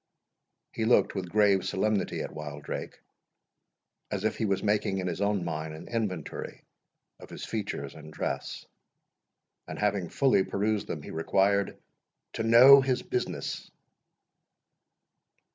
He looked with grave solemnity at Wildrake, as if he was making in his own mind an inventory of his features and dress; and having fully perused them, he required "to know his business."